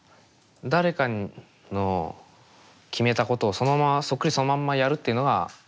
誰かの決めたことをそのままそっくりそのまんまやるっていうのが。